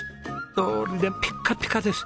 どうりでピッカピカです。